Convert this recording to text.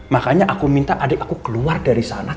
makanya aku minta adik aku keluar dari sana